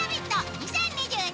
２０２２」